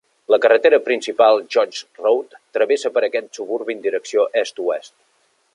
La carretera principal, Gorge Road, travessa per aquest suburbi en direcció est-oest.